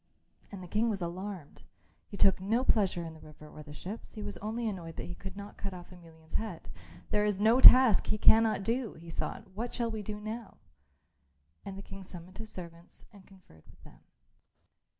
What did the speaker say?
And the King was alarmed. He took no pleasure in the river or the ships, he was only annoyed that he could not cut off Emelian's head. "There is no task he cannot do," he thought. "What shall we do now?" And the King summoned his servants and conferred with them.